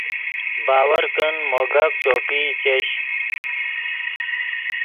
باور کن مو گپ چوپئی چش